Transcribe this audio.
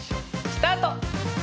スタート。